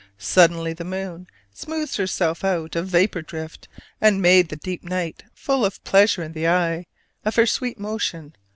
Suddenly the moon Smoothed herself out of vapor drift and made The deep night full of pleasure in the eye Of her sweet motion.